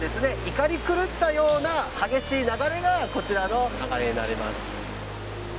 怒り狂ったような激しい流れがこちらの流れになります。